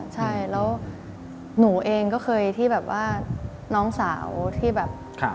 ใช่แล้วหนูเองก็เคยที่แบบว่าน้องสาวที่แบบ